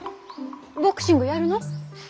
ボクシングやるの？